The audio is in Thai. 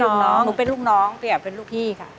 อย่างนู้นเป็นลูกน้องเปรียบเป็นลูกพี่ค่ะ